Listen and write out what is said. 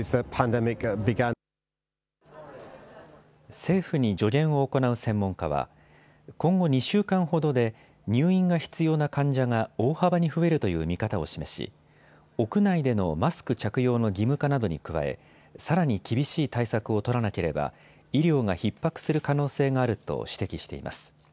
政府に助言を行う専門家は今後２週間ほどで入院が必要な患者が大幅に増えるという見方を示し屋内でのマスク着用の義務化などに加えさらに厳しい対策を取らなければ医療がひっ迫する可能性があると指摘しています。